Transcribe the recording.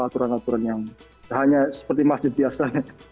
aturan aturan yang hanya seperti masjid biasa